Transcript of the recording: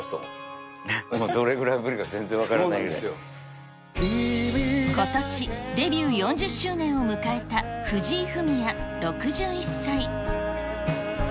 どれぐらいぶりか全然分からことしデビュー４０周年を迎えた藤井フミヤ６１歳。